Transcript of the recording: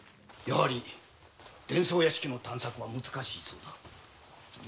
やはり伝奏屋敷の探索は難しいそうだ。